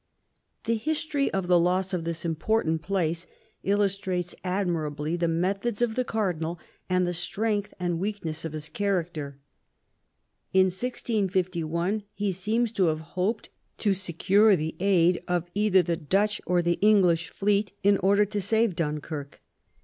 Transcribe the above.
The history of the loss of this important place illustrates admirably the methods of the cardinal, and the strength and weak ness of his character. In 1651 he seems to have hoped, to secure the aid of either the Dutch or the English fleet in order to save Dunkirk.